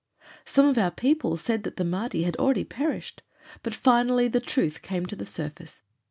Some of our people said that the Mahdi had already perished. But finally the truth came to the surface.